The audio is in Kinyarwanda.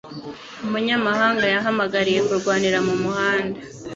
Umunyamahanga yahamagariye kurwanira mu muhanda.